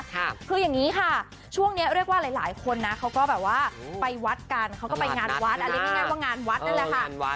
คืออย่างนี้ค่ะช่วงนี้เรียกว่าหลายหลายคนนะเขาก็แบบว่าไปวัดกันเขาก็ไปงานวัดเรียกง่ายว่างานวัดนั่นแหละค่ะ